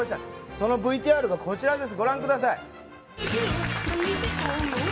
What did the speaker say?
そのＶＴＲがこちらです。